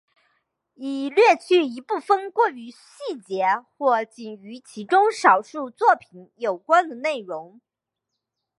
已略去一部分过于细节或仅与其中少数作品有关的内容。